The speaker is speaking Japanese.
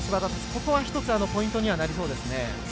ここは１つポイントにはなりそうですね。